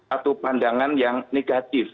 atau pandangan yang negatif